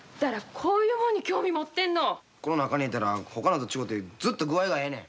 この中に入れたらほかのと違てずっと具合がええねん。